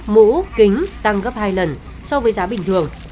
mũ kính tăng gấp hai lần so với giá bình thường